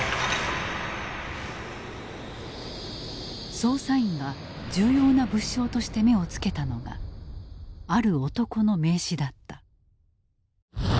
捜査員が重要な物証として目をつけたのがある男の名刺だった。